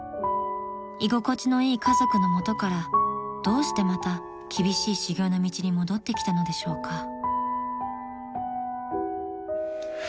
［居心地のいい家族の元からどうしてまた厳しい修業の道に戻ってきたのでしょうか？］